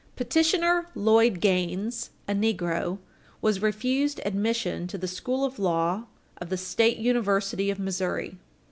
Petitioner Lloyd Gaines, a negro, was refused admission to the School of Law at the State University of Missouri.